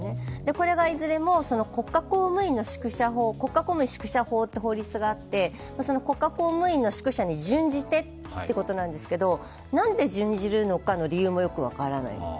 これがいずれも、国家公務員宿舎法という法律があって、国家公務員の宿舎に準じてということなんですけど、なんで準じるのかの理由もよく分からない。